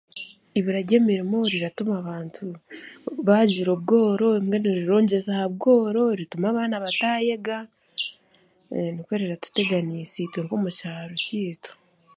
Eibura by'emirimo riratuma abantu baagira obworo rirongyeza ha bworo ritume abaana bataayega, nikwe riratuteganiisa itwe nk'omukyaro kyaitu.